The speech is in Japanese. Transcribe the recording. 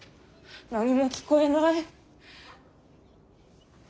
何も聞こえない。